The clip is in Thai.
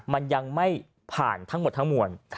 มันยังไม่ผ่านทั้งหมดทั้งมวล